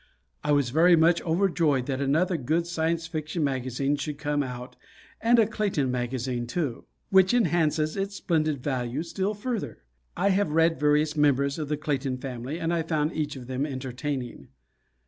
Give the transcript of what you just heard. I was very much overjoyed that another good Science Fiction magazine should come out, and a Clayton Magazine too, which enhances its splendid value still further. I have read various members of the Clayton family and I found each of them entertaining.